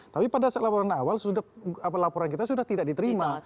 tapi pada saat laporan awal laporan kita sudah tidak diterima